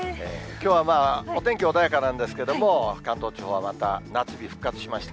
きょうはまあ、お天気穏やかなんですけれども、関東地方はまた夏日復活しました。